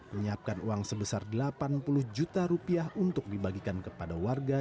menyiapkan uang sebesar delapan puluh juta rupiah untuk dibagikan kepada warga